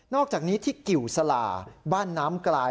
อกจากนี้ที่กิวสลาบ้านน้ำกลาย